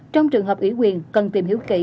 trong trường hợp ủy quyền cần tìm hiếu kỹ